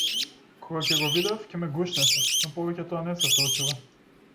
Кога ќе го видев ќе ме гушнеше но повеќе тоа не се случува.